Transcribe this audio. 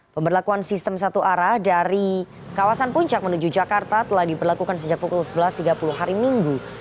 pemberlakuan sistem satu arah dari kawasan puncak menuju jakarta telah diberlakukan sejak pukul sebelas tiga puluh hari minggu